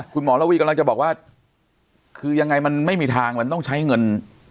คุณหมอระวีกำลังจะบอกว่าคือยังไงมันไม่มีทางมันต้องใช้เงิน